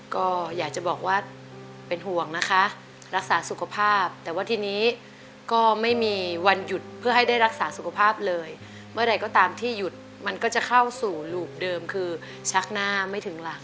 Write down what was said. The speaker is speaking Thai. ก็อยากจะบอกว่าเป็นห่วงนะคะรักษาสุขภาพแต่ว่าทีนี้ก็ไม่มีวันหยุดเพื่อให้ได้รักษาสุขภาพเลยเมื่อใดก็ตามที่หยุดมันก็จะเข้าสู่หลูปเดิมคือชักหน้าไม่ถึงหลัง